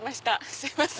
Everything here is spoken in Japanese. すいません。